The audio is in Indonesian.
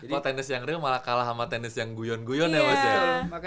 kalau tenis yang real malah kalah sama tenis yang guyon guyon ya mas ya